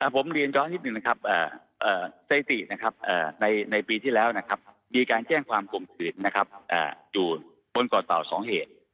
ผมเรียนร้อนนิดหนึ่งในปีที่แล้วมีการแจ้งความกลมสืบอยู่บนก่อเสา๒เหตุ